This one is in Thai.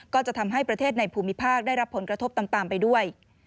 ก็จะทำให้ประเทศในภูมิภาคได้รับผลกระทบตามไปด้วย